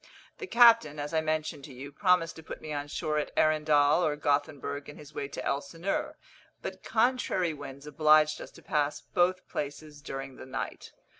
The captain, as I mentioned to you, promised to put me on shore at Arendall or Gothenburg in his way to Elsineur, but contrary winds obliged us to pass both places during the night.